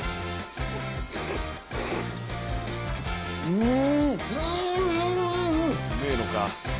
うん！